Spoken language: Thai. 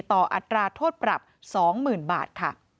ต่ออัตราโทษปรับ๒๐๐๐๐บาท